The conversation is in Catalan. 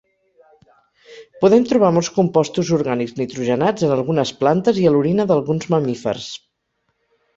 Podem trobar molts compostos orgànics nitrogenats en algunes plantes i a l'orina d'alguns mamífers.